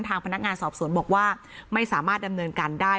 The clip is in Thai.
ทางพนักงานสอบสวนบอกว่าไม่สามารถดำเนินการได้